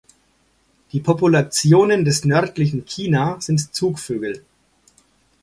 Die Populationen des nördlichen China sind Zugvögel.